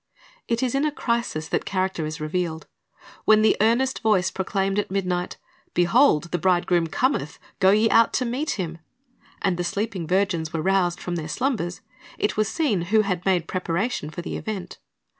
"'' It is in a crisis that character is revealed. When the earnest voice proclaimed at midnight, "Behold, the bride groom Cometh; go ye out to meet him," and the sleeping virgins were roused from their slumbers, it. was seen who had made preparation for the event.